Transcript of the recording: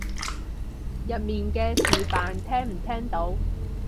入面嘅示範聽唔聽到？